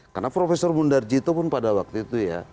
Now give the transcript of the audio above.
karena profesor mundarjito pun pada waktu itu ya